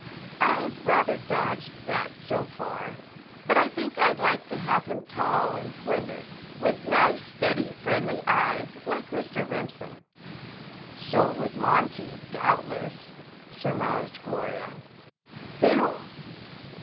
"I've rather dodged that, so far. But I think I'd like to have him tall and slender and with nice, steady, friendly eyes, like Mr. Remsen." "So would Monty, doubtless," surmised Gloria. "_Who?